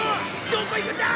どこ行くんだ！